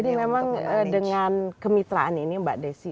jadi memang dengan kemitraan ini mbak desy